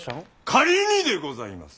仮にでございます！